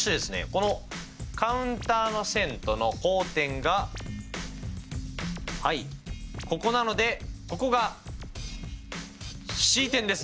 このカウンターの線との交点がここなのでここがＣ点です！